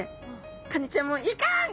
カニちゃんも「いかん！